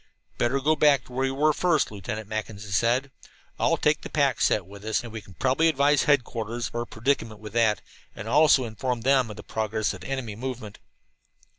"Better go back to where we were first," Lieutenant Mackinson said at last. "We'll take the pack set with us, and we can probably advise headquarters of our predicament with that, and also inform them of the progress of the enemy movement."